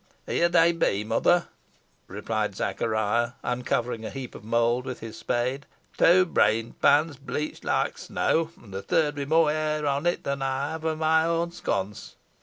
"Here they be, mother," replied Zachariah, uncovering a heap of mould with his spade. "Two brain pans bleached loike snow, an the third wi' more hewr on it than ey ha' o' my own sconce.